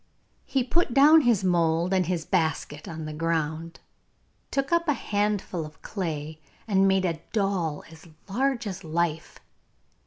He put down his mould and his basket on the ground, took up a handful of clay, and made a doll as large as life.